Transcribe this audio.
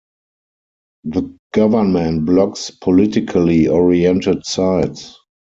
The government blocks politically oriented sites.